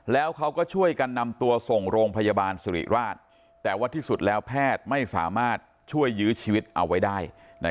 แล้วเขาก็ช่วยกันนำตัวส่งโรงพยาบาลสุริราชแต่ว่าที่สุดแล้วแพทย์ไม่สามารถช่วยยื้อชีวิตเอาไว้ได้